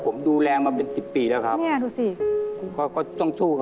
ผมไม่ไปหรอก